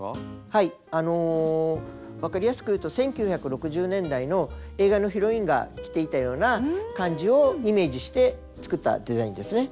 はいあのわかりやすくいうと１９６０年代の映画のヒロインが着ていたような感じをイメージして作ったデザインですね。